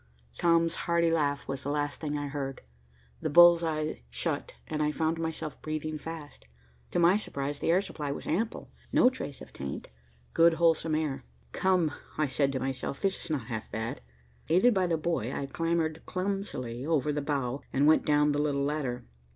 Tom's hearty laugh was the last thing I heard. The bull's eye shut, and I found myself breathing fast. To my surprise the air supply was ample, no trace of taint, good, wholesome air. "Come," I said to myself. "This is not half bad." Aided by the boy, I clambered clumsily over the bow and went down the little ladder.